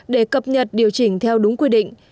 để cập nhật điều chỉnh theo đúng quy định